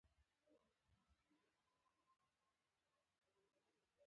ما د بې شمېره جملو بیاکتنه ترسره کړه.